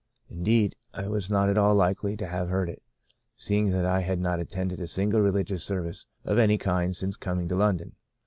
Indeed, I was not at all likely to have heard it, seeing that I had not attended a single religious service of any kind since coming to London.